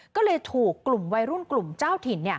ก็เลยถูกกลุ่มวัยรุ่นกลุ่มเจ้าถิ่น